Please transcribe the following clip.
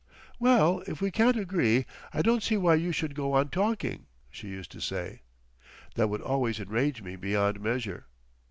"Well, if we can't agree, I don't see why you should go on talking," she used to say. That would always enrage me beyond measure.